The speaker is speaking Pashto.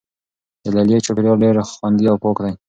د لیلیې چاپیریال ډیر خوندي او پاک دی.